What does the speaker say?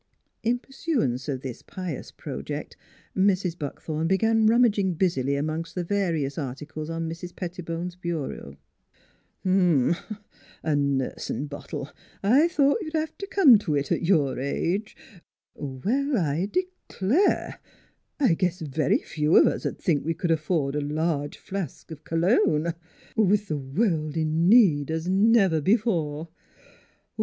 In pursuance of this pious project Mrs. Buck thorn began rummaging busily among the various articles on Mrs. Pettibone's bureau. " Huh ! a nursin' bottle ! I thought you'd have NEIGHBORS 61 t' come t' it at your age. ... Well, I declare ! I guess very few of us 'd think we c'd afford a large flask of cologne with the world in need, as never b'fore.